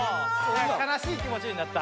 悲しい気持ちになった。